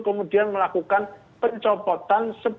kemudian melakukan pencopotan